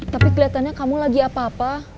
tapi kelihatannya kamu lagi apa apa